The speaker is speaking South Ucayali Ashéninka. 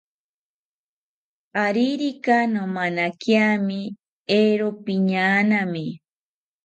Aririka nomanakiami, eero piñaanami